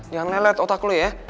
jangan nelet otak lo ya